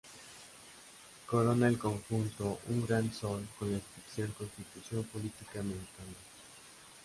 Corona el conjunto un gran sol con la inscripción Constitución Política Mexicana.